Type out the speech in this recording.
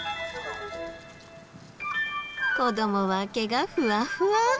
子どもは毛がふわふわ。